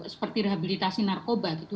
seperti rehabilitasi narkoba gitu